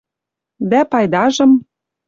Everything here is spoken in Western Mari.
Дӓ пайдажым